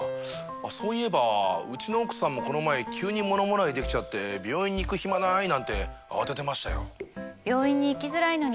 そういえばうちの奥さんもこの前急にものもらいできちゃって病院に行く暇ない！なんて慌ててましたよ。